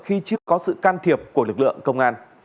khi chưa có sự can thiệp của lực lượng công an